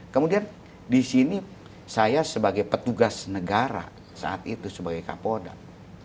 kemudian disini saya sebagai petugas negara saat itu sebagai kapodak